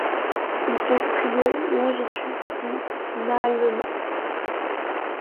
Ils sont striés longitudinalement.